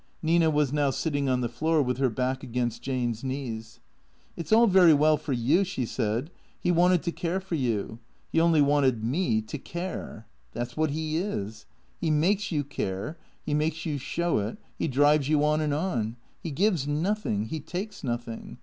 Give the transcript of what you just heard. Nina was now sitting on the floor with her back against Jane's knees. " It 's all very well for you," she said. " He wanted to care for you. He only wanted me — to care. That 's what he is. He makes you care, he makes you show it, he drives you on and on. He gives nothing; he takes nothing.